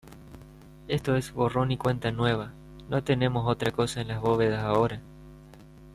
Esto es borrón y cuenta nueva, no tenemos otra cosa en las bóvedas ahora.